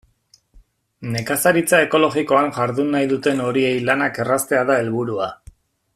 Nekazaritza ekologikoan jardun nahi duten horiei lanak erraztea da helburua.